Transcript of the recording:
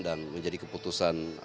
dan menjadi keputusan